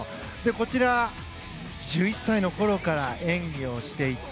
こちら１１歳の頃から演技をしていた。